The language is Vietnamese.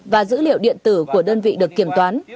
và dữ liệu điện tử của đơn vị được kiểm toán